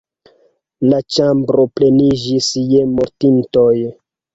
La ĉambro pleniĝis je mortintoj.